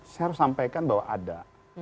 saya harus sampaikan bahwa ada